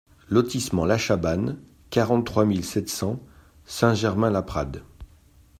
Lotissement La Chabanne, quarante-trois mille sept cents Saint-Germain-Laprade